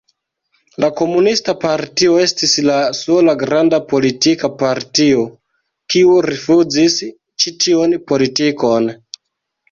La komunista partio estis la sola granda politika partio, kiu rifuzis ĉi tion politikon.